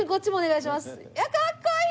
いやかっこいい！